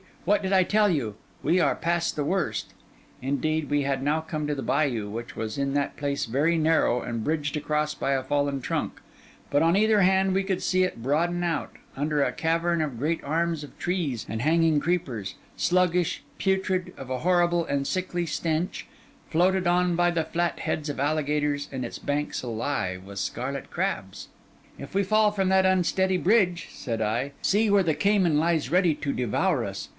'What did I tell you? We are past the worst.' Indeed, we had now come to the bayou, which was in that place very narrow and bridged across by a fallen trunk; but on either hand we could see it broaden out, under a cavern of great arms of trees and hanging creepers: sluggish, putrid, of a horrible and sickly stench, floated on by the flat heads of alligators, and its banks alive with scarlet crabs. 'If we fall from that unsteady bridge,' said I, 'see, where the caiman lies ready to devour us!